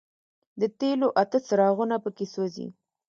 د تېلو اته څراغونه په کې سوځي.